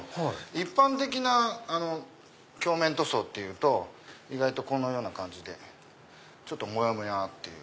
一般的な鏡面塗装っていうと意外とこのような感じでちょっとモヤモヤっていう。